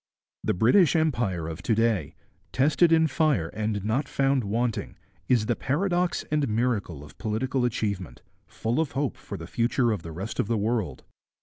The British Empire of to day, tested in fire and not found wanting, is the paradox and miracle of political achievement, full of hope for the future of the rest of the world.